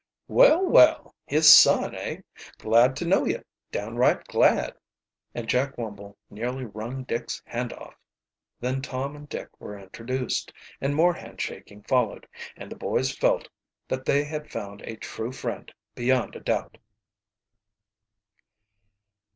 "Well, well! His son, eh? Glad to know you, downright glad!" And Jack Wumble nearly wrung Dick's hand off. Then Tom and Dick were introduced, and more handshaking followed, and the boys felt that they had found a true friend beyond a doubt.